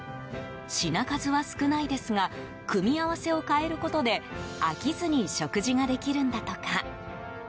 品数は少ないですが組み合わせを変えることで飽きずに食ができるんだとか。